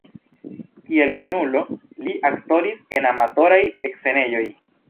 Kiel junulo li aktoris en amatoraj scenejoj.